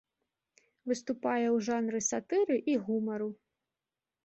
Выступае ў жанры сатыры і гумару.